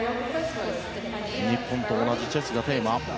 日本と同じチェスがテーマ。